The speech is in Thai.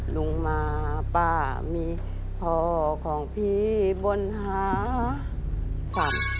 ลุงมาป้ามีพ่อของพี่บนหาสั่ง